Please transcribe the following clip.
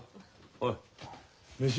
おい飯。